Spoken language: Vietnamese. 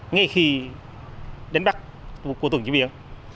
ngay khi đến bắt của tường chiếc biển